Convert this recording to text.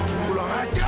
tunggu langsung aja